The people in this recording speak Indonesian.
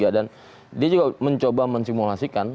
dan dia juga mencoba mensimulasikan